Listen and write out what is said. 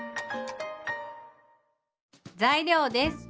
材料です。